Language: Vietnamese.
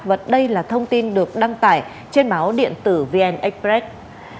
và đây là thông tin được đăng tải trên báo điện tử vn express